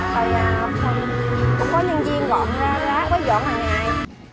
rồi cũng có nhân viên gọn rác gói dọn hàng ngày